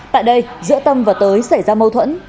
tại đây giữa tâm và tới xảy ra mâu thuẫn